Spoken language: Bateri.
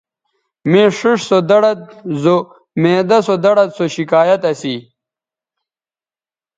مے ݜیئݜ سو دڑد زو معدہ سو دڑد سو شکایت اسی